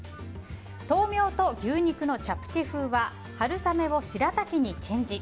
豆苗と牛肉のチャプチェ風は春雨をしらたきにチェンジ。